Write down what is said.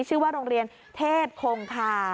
ชื่อว่าโรงเรียนเทพคงคา